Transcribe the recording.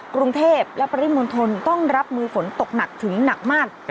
กรุงเทพและปริมณฑลต้องรับมือฝนตกหนักถึงหนักมาก